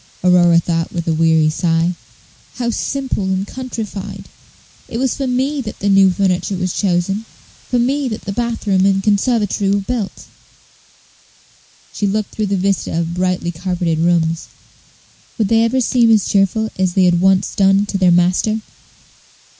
Aurora thought, with a weary sigh; "how simple and countrified! It was for me that the new furniture was chosen, for me that the bath room and conservatory were built." She looked through the vista of brightly carpeted rooms. Would they ever seem as cheerful as they had once done to their master?